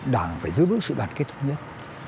đảng phải giữ bước sự đoàn kết thúc nhất